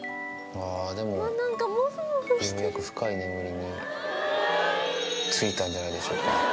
でもようやく深い眠りについたんじゃないでしょうか。